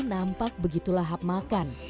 nampak begitu lahap makan